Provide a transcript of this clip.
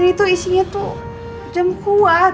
ini ini tuh isinya tuh jamu kuat